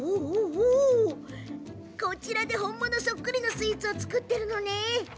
こちらで、本物そっくりのスイーツを作っているのね。